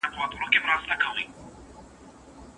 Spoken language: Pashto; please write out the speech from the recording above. تا سر په پښو کې د زمان په لور قدم ايښی دی